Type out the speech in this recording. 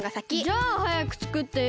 じゃあはやくつくってよ！